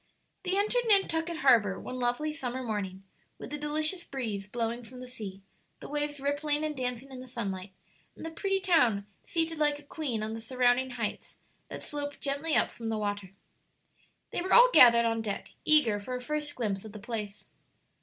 They entered Nantucket harbor one lovely summer morning, with a delicious breeze blowing from the sea, the waves rippling and dancing in the sunlight, and the pretty town seated like a queen on the surrounding heights that slope gently up from the water. They were all gathered on deck, eager for a first glimpse of the place.